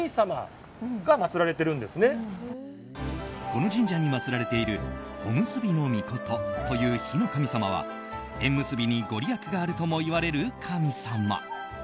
この神社に祭られている火産霊命という火の神様は縁結びにご利益があるともいわれる神様。